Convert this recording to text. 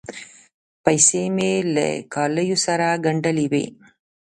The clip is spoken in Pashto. پیسې مې له کالیو سره ګنډلې وې.